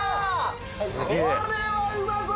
これはうまそう！